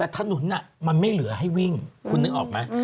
แต่ถนนมันไม่เหลือให้วิ่งคุณนึกออกไหม